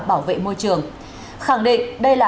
bảo vệ môi trường khẳng định đây là